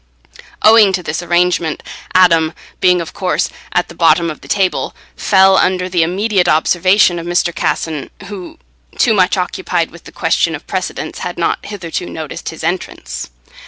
Owing to this arrangement, Adam, being, of course, at the bottom of the table, fell under the immediate observation of Mr. Casson, who, too much occupied with the question of precedence, had not hitherto noticed his entrance.